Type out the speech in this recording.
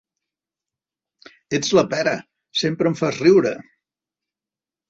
Ets la pera, sempre em fas riure!